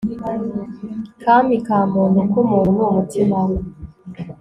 kami ka muntu k'umuntu ni umutima we